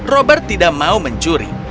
robert tidak mau mencuri